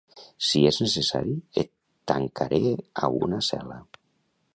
Si és necessari, et tancaré a una cel·la.